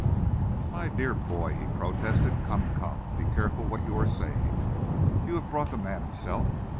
"My dear boy," he protested, "come, come, be careful what you are saying. You have brought the man himself!